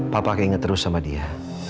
papa keinget terus sama dia